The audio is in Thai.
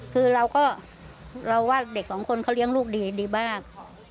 คือเราก็เราว่าเด็กสองคนเขาเลี้ยงลูกดีมาก